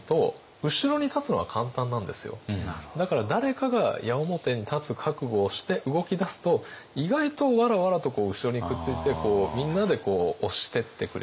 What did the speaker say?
でもだから誰かが矢面に立つ覚悟をして動き出すと意外とわらわらと後ろにくっついてみんなで押してってくれるっていう。